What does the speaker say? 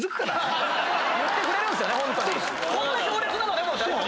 こんな強烈でも大丈夫？